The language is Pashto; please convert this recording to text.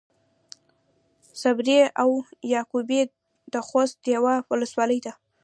صبري او يعقوبي د خوست يوۀ ولسوالي ده.